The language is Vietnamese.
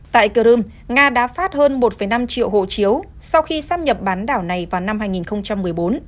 tại crimea nga đã phát hơn một năm triệu hộ chiếu sau khi sắp nhập bán đảo này vào năm hai nghìn một mươi bốn